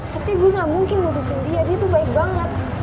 tapi gue gak mungkin butuhin dia dia tuh baik banget